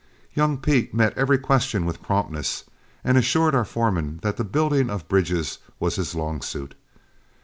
Young Pete met every question with promptness, and assured our foreman that the building of bridges was his long suit.